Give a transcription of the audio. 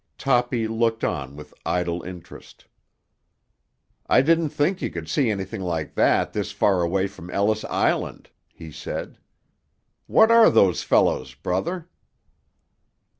Toppy looked on with idle interest. "I didn't think you could see anything like that this far away from Ellis Island," he said. "What are those fellows, brother?"